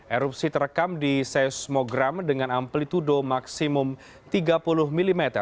erupsi terekam di seismogram dengan amplitude maksimum tiga puluh mm